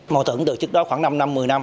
mô tưởng từ trước đó khoảng năm năm một mươi năm